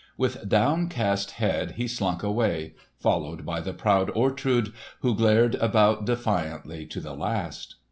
With downcast head he slunk away, followed by the proud Ortrud, who glared about defiantly to the last.